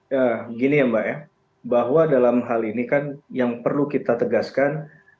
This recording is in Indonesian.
ya gini ya mbak ya bahwa dalam hal ini kan yang perlu kita tegaskan